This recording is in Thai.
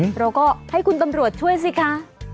เราก็ให้คุณตำรวจช่วยสิคะ